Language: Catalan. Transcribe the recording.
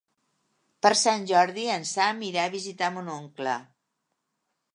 Per Sant Jordi en Sam irà a visitar mon oncle.